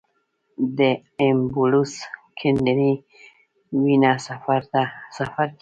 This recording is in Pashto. د ایمبولوس ګڼېدلې وینه سفر کوي.